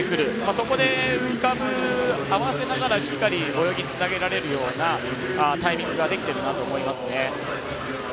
そこで浮かぶ、合わせながら泳ぎつなげられるようなタイミングができているなと思いますね。